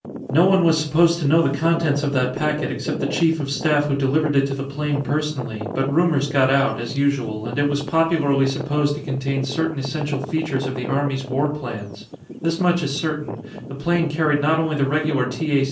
No one was supposed to know the contents of that packet except the Chief of Staff who delivered it to the plane personally, but rumors got out, as usual, and it was popularly supposed to contain certain essential features of the Army's war plans. This much is certain: The plane carried not only the regular T. A.